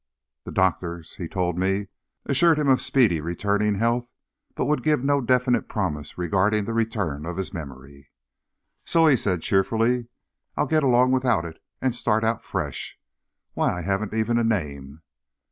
The doctors, he told me, assured him of speedily returning health but would give no definite promise regarding the return of his memory. "So," he said, cheerfully, "I'll get along without it, and start out fresh. Why, I haven't even a name!"